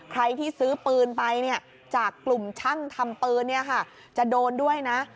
ใครที่ซื้อปืนไปจากกลุ่มช่างทำปืนจะโดนด้วยนะ